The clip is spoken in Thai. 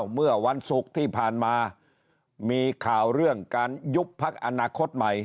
เมื่อวันศุกร์ที่ผ่านมามีข่าวเรื่องการยุบพักอนาคตใหม่